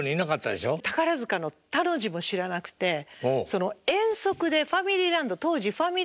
宝塚の「た」の字も知らなくてその遠足でファミリーランド当時ファミリーランドで。